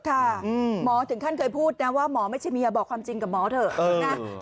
หมอถึงขั้นเคยพูดนะว่าหมอไม่ใช่เมียบอกความจริงกับหมอเถอะนะ